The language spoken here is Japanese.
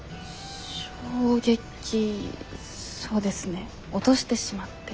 衝撃そうですね落としてしまって。